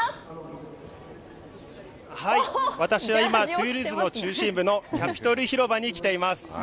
私は今、トゥールーズの中心部のキャピトル広場に来ています。